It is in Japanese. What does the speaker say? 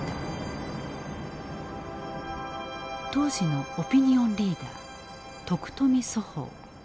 当時のオピニオンリーダー徳富蘇峰。